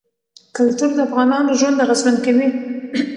کلتور د افغانانو ژوند اغېزمن کوي.